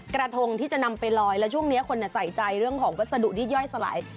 กระทงที่จะนำไปลอยแล้วช่วงนี้คนใส่ใจเรื่องของวัสดุที่ย่อยสลาย